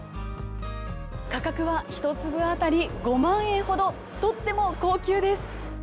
価格は１粒当たり５万円ほどとっても高級です。